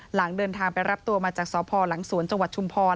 หลังเดินทางไปรับตัวมาจากสศศินครินทร์หลังสวนจชุมพล